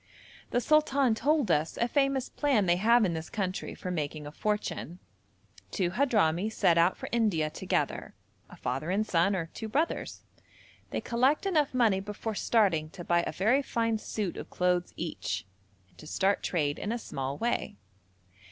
The sultan told us a famous plan they have in this country for making a fortune. Two Hadhrami set out for India together, a father and son, or two brothers. They collect enough money before starting to buy a very fine suit of clothes each, and to start trade in a small way.